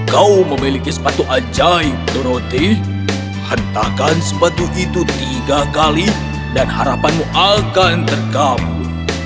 kau memiliki sepatu ajaib dorothy hentakkan sepatu itu tiga kali dan harapanmu akan tergabung